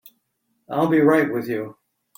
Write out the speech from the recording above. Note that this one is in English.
I'll be right with you.